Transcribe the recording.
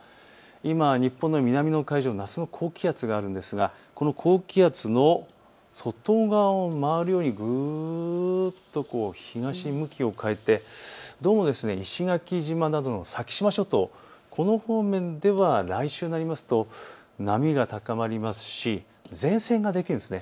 今、日本の南の海上、夏の高気圧があるんですがこの高気圧の外側を回るようにぐっと東へ向きを変えて石垣島などの先島諸島、この方面では来週になりますと波が高まりますし前線ができるんです。